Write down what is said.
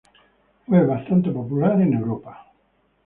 Fue bastante popular en Europa.